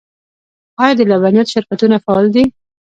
آیا د لبنیاتو شرکتونه فعال دي؟